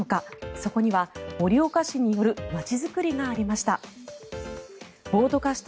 そこには盛岡市による街づくりがありました。